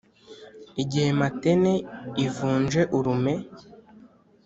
Igihe matene ivunje urume